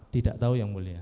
tidak tahu yang mulia